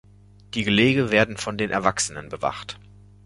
Die Gelege werden von den Erwachsenen bewacht.